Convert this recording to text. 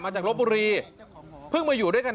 มากับกระต่ายครับสองคน